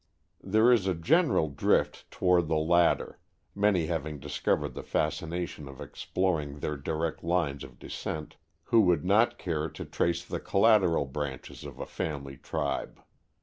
There is a general drift toward the latter, many having discovered the fascination of exploring their direct lines of descent who would not care to trace the collateral branches of a family "tribe."